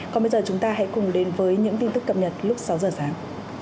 còn bây giờ chúng ta hãy cùng đến với những tin tức cập nhật lúc sáu giờ sáng